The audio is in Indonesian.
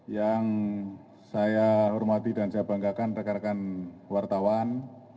yang saya hormati dan saya banggakan rekan rekan wartawan